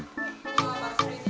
oh apa kestrinya